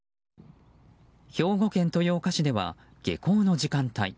兵庫県豊岡市では下校の時間帯。